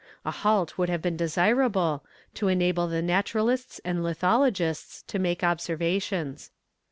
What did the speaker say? A halt would have been desirable, to enable the naturalists and lithologists to make observations.